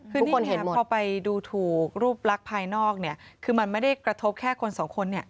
คือนี่พอไปดูถูกรูปลักษณ์ภายนอกเนี่ยคือมันไม่ได้กระทบแค่คนสองคนเนี่ย